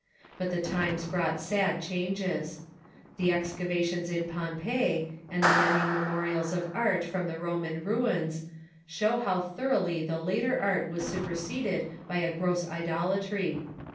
But the times brought sad changes. The excavations in Pompeii, and the many memo rials of art from the Roman ruins, show how thoroughly the later art was superseded by a gross idolatry.